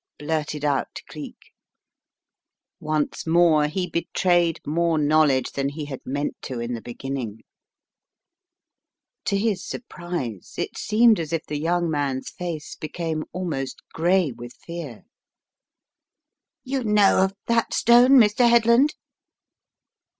blurted out Cleek Complications and Complexities 95 Once more he betrayed more knowledge than he h&d meant to in the beginning. To his surprise it seemed as if the young man's face became almost gray with fear, "You know of that stone, Mr. Headland?